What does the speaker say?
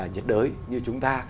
nhất đới như chúng ta